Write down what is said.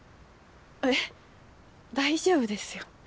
えっ大丈夫ですよ。